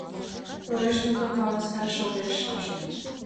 Тореш мутым каласаш огеш тошт.